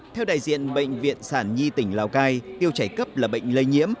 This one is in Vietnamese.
theo đại diện bệnh viện sản nhi tỉnh lào cai tiêu chảy cấp là bệnh lây nhiễm